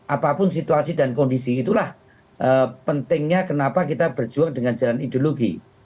apapun situasi dan kondisi itulah pentingnya kenapa kita berjuang dengan jalan ideologi